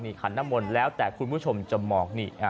ขันน้ำมนต์แล้วแต่คุณผู้ชมจะมองนี่